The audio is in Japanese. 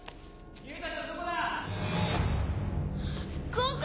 ・ここ。